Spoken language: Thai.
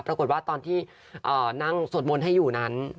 ตอนที่นั่งสวดมนต์ให้อยู่นั้น